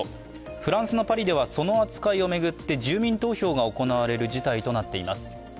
フランスのパリでは、その扱いを巡って住民投票が行われる事態となっています。